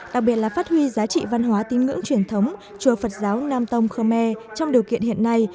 đặc biệt là phát huy giá trị văn hóa tín ngưỡng truyền thống chùa phật giáo nam tông khmer trong điều kiện hiện nay